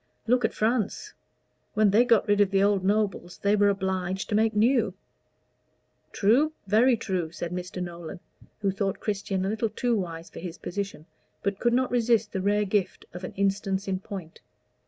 Look at France. When they got rid of the old nobles they were obliged to make new." "True, very true," said Mr. Nolan, who thought Christian a little too wise for his position, but could not resist the rare gift of an instance in point.